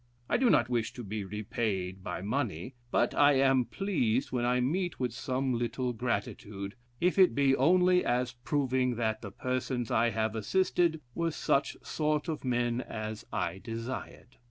I do not wish to be repaid my money; but I am pleased when I meet with some little gratitude, if it be only as proving that the persons I have assisted were such sort of men as I desired."